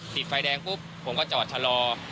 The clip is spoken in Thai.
ติดไฟแดงปุ๊บผมก็จอดชะลอ